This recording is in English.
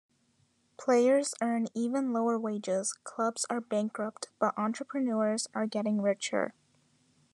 Players earn ever lower wages, clubs are bankrupt, but entrepreneurs are getting richer.